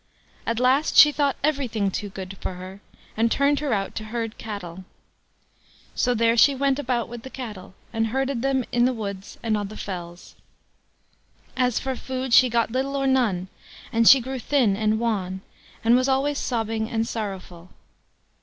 At last she thought everything too good for her, and turned her out to herd cattle. So there she went about with the cattle, and herded them in the woods and on the fells. As for food, she got little or none, and she grew thin and wan, and was always sobbing and sorrowful.